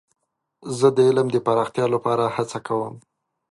زه د علم د پراختیا لپاره هڅه کوم.